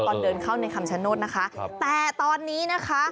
ตอนเดินเข้าในคำชโนธนะคะแต่ตอนนี้นะคะ